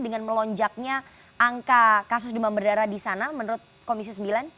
dengan melonjaknya angka kasus demam berdarah di sana menurut komisi sembilan